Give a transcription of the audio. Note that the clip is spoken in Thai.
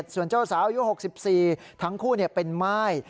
ส่วนเจ้าสาวอายุ๖๔ทั้งคู่เป็นม่าย